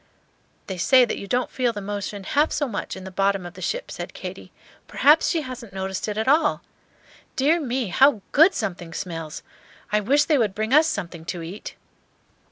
"They say that you don't feel the motion half so much in the bottom of the ship," said Katy. "Perhaps she hasn't noticed it at all. Dear me, how good something smells! I wish they would bring us something to eat."